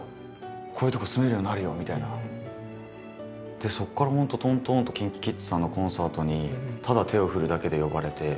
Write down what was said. でそこから本当とんとんとＫｉｎＫｉＫｉｄｓさんのコンサートにただ手を振るだけで呼ばれて。